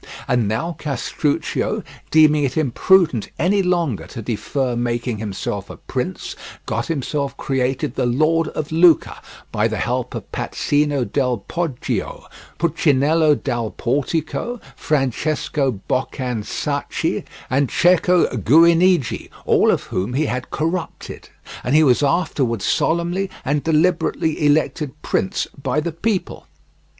And now Castruccio, deeming it imprudent any longer to defer making himself a prince, got himself created the lord of Lucca by the help of Pazzino del Poggio, Puccinello dal Portico, Francesco Boccansacchi, and Cecco Guinigi, all of whom he had corrupted; and he was afterwards solemnly and deliberately elected prince by the people.